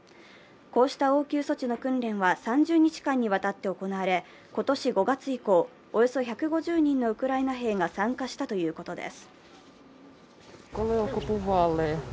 こうした応急措置の訓練は３０日間にわたって行われ、今年５月以降、およそ１５０人のウクライナ兵が参加したということです。